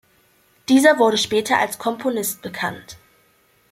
Dieser wurde später als Komponist bekannt.